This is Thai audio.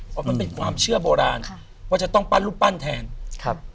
เพราะมันเป็นความเชื่อโบราณค่ะว่าจะต้องปั้นรูปปั้นแทนครับ